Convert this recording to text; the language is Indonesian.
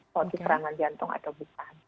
kalau itu serangan jantung atau bukan